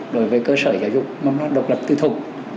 đối với cơ sở giáo dục mầm non độc lập tư thục